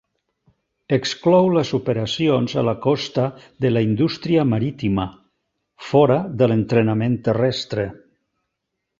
Exclou les operacions a la costa de la indústria marítima, fora de l'entrenament terrestre.